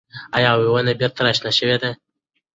ایا ونه بېرته راشنه شوې ده؟